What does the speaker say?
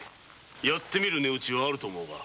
やってみる値打ちはあると思うが。